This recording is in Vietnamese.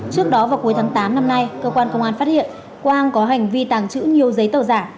trước đó vào cuối tháng tám năm nay cơ quan công an phát hiện quang có hành vi tàng trữ nhiều giấy tờ giả